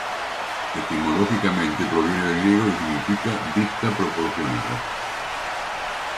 Etimológicamente proviene del griego, y significa "vista proporcionada".